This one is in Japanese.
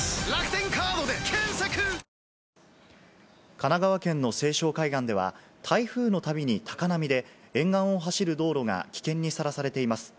神奈川県の西湘海岸では、台風のたびに高波で沿岸を走る道路が危険にさらされています。